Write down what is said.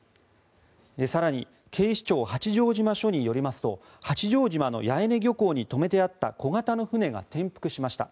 更に警視庁八丈島署によりますと八丈島の八重根漁港に止めてあった小型の船が転覆しました。